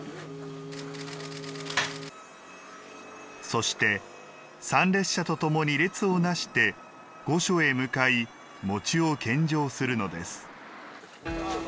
そして、参列者と共に列をなして御所へ向かい餅を献上するのです。